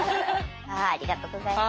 ありがとうございます。